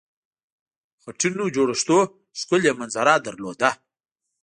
خټینو جوړښتونو ښکلې منظره درلوده.